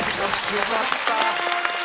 よかった！